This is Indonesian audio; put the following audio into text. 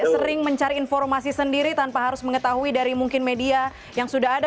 sering mencari informasi sendiri tanpa harus mengetahui dari mungkin media yang sudah ada